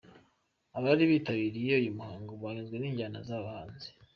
Abari bitabiriye uyu muhango banyuzwe n'injyana z'aba bahanzi.